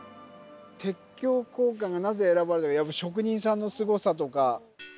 鉄橋交換がなぜ選ばれたかやっぱ職人さんのすごさとか。